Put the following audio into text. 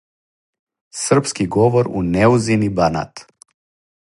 српски говор у Неузини Банат